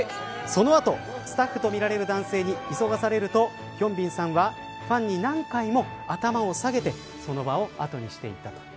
その後スタッフとみられる男性に急がされるとヒョンビンさんはファンに何回も頭を下げてその場を後にしていった。